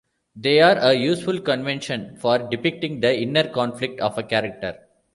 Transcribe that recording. They are a useful convention for depicting the inner conflict of a character.